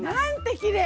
きれい！